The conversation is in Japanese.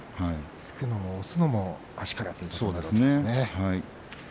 突くのも押すのも足からということですね。